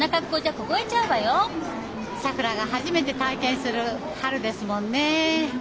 さくらが初めて体験する春ですもんね。